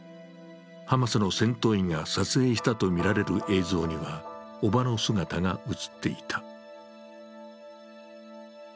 ハマスの戦闘員が撮影したとみられる映像にはおばの姿が映っていた。